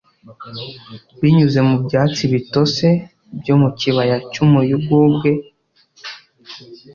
binyuze mu byatsi bitose byo mu kibaya cy'umuyugubwe,